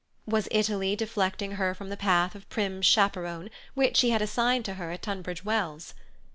Was Italy deflecting her from the path of prim chaperon, which he had assigned to her at Tunbridge Wells?